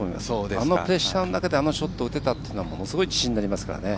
あのプレッシャーの中であのショットが打てたのはものすごい自信になりますからね。